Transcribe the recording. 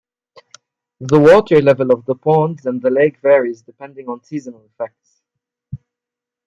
The water level of the ponds and the lake varies depending on seasonal effects.